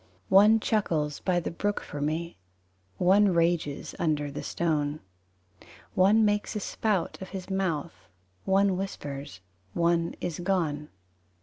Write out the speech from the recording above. III One chuckles by the brook for me: One rages under the stone. One makes a spout of his mouth, One whispers one is gone.